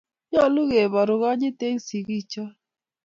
Nyalu keporu konyit eng' sigik chok